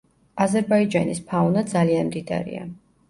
აზერბაიჯანის ფაუნა ძალიან მდიდარია.